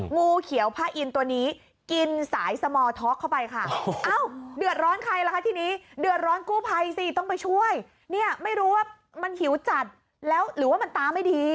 งูเขียวพระอินตัวนี้กินสายสมอร์ท็อกเข้าไปค่ะเอ้าเดือดร้อนใครล่ะคะทีนี้เดือดร้อนกู้ภัยสิต้องไปช่วยเนี่ยไม่รู้ว่ามันหิวจัดแล้วหรือว่ามันตาไม่ดี